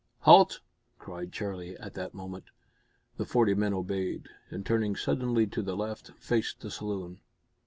"Halt!" cried Charlie, at that moment. The forty men obeyed, and, turning suddenly to the left, faced the saloon.